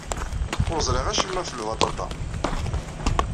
Ur ẓṛiɣ acemma ɣef lbaṭaṭa.